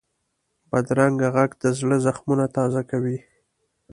بدرنګه غږ د زړه زخمونه تازه کوي